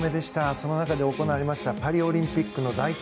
その中で行われましたパリオリンピックの代表